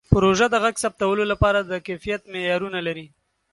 پروژه د غږ ثبتولو لپاره د کیفیت معیارونه لري.